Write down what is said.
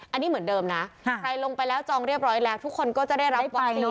อันนี้เหมือนเดิมนะใครลงไปแล้วจองเรียบร้อยแล้วทุกคนก็จะได้รับวัคซีน